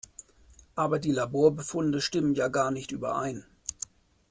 Aber die Laborbefunde stimmen ja gar nicht überein.